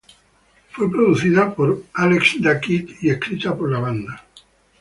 Fue producida por Alex da Kid y escrita por la banda.